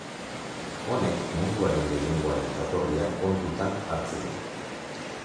Honek, munduaren gehiengoaren jatorria kontutan hartzen du.